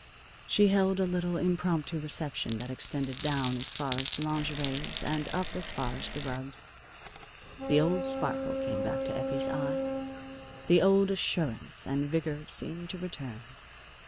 She held a little impromptu reception that extended down as far as the lingeries and up as far as the rugs. The old sparkle came back to Effie's eye. The old assurance and vigor seemed to return.